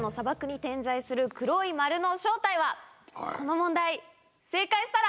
この問題正解したら。